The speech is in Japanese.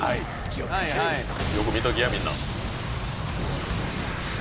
よく見ときやみんな。